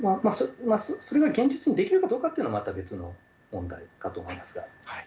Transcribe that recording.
それが現実にできるかどうかというのはまた別の問題かと思います